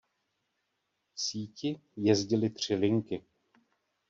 V síti jezdily tři linky.